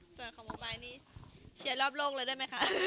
ส่วนของหมู่มายนี่เชียร์รอบโลกเลยได้ไหมคะ